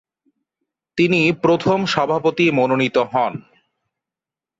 তিনি প্রথম সভাপতি মনোনীত হন।